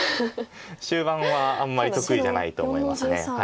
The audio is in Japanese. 終盤はあんまり得意じゃないと思います。